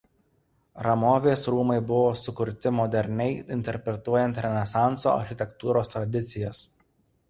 Ramovės rūmai buvo sukurti moderniai interpretuojant renesanso architektūros tradicijas.